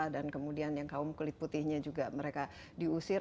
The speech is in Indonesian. dan kemudian yang kaum kulit putihnya juga mereka diusir